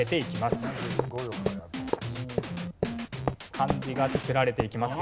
漢字が作られていきますよ。